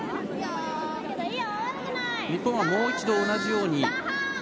日本はもう一度同じように。